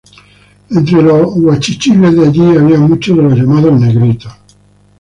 Entre los guachichiles de allí había muchos de los llamados negritos.